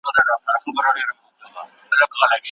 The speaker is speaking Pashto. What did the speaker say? باثباته ټولنه زموږ د ماشومانو د روښانه راتلونکي ضمانت کوي.